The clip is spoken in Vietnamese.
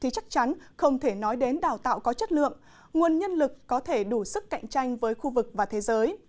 chắc chắn không thể nói đến đào tạo có chất lượng nguồn nhân lực có thể đủ sức cạnh tranh với khu vực và thế giới